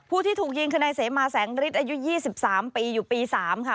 ที่ถูกยิงคือนายเสมาแสงฤทธิ์อายุ๒๓ปีอยู่ปี๓ค่ะ